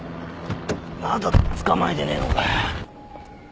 まだとっ捕まえてねえのかよ。